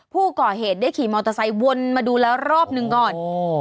ผู้ก่อเหตุได้ขี่มอเตอร์ไซค์วนมาดูแล้วรอบหนึ่งก่อน